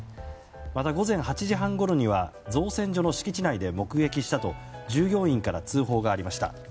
また午前８時半ごろには造船所の敷地内で目撃したと従業員から通報がありました。